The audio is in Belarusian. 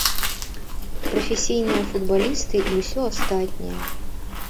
Прафесійныя футбалісты і ўсё астатняе.